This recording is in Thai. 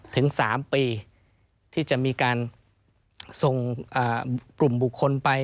ถึง๓ปีที่จะมีการส่งกลุ่มบุคคลไป